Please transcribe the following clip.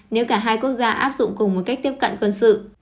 nếu cả hai quốc gia áp dụng cùng một cách tiếp cận quân sự